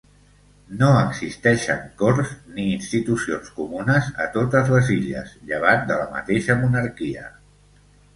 No existeixen corts ni institucions comunes a totes les Illes, llevat de la mateixa monarquia.